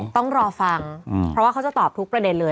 ต้องรอฟังเพราะว่าเขาจะตอบทุกประเด็นเลย